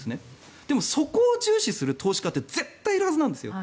でもそこを重視する投資家って絶対いるはずなんです。